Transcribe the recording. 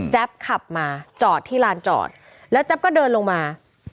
ขับมาจอดที่ลานจอดแล้วแจ๊บก็เดินลงมา